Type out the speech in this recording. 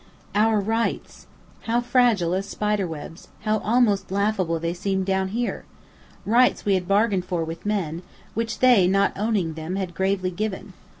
Our "rights!" How fragile as spider webs, how almost laughable they seemed down here! Rights we had bargained for with men, which they, not owning them, had gravely given!